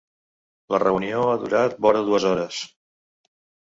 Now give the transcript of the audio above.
La reunió ha durat vora dues hores.